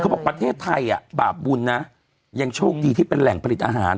ครัวของโรคเนี่ยมันจะต้องอยู่ที่ประเทศไทย